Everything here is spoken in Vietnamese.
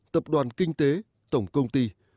tập đoàn kinh tế tổng công ty